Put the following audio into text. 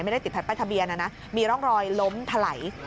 ไม่ได้ติดแผ่นป้ายทะเบียนนะนะมีร่องรอยล้มถลัย